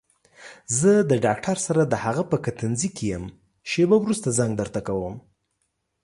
زه د ډاکټر سره دهغه په کتنځي کې يم شېبه وروسته زنګ درته کوم.